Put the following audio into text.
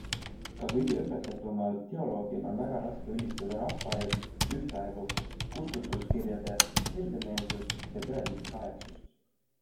Ka kõige õpetatumal teoloogil on väga raske ülistada rahva ees ühtaegu kustutuskirjade heldemeelsust ja tõelist kahetsust.